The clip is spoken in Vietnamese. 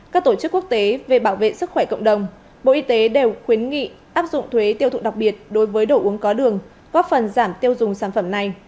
các tổ chức quốc tế về bảo vệ sức khỏe cộng đồng bộ y tế đều khuyến nghị áp dụng thuế tiêu thụ đặc biệt đối với đồ uống có đường góp phần giảm tiêu dùng sản phẩm này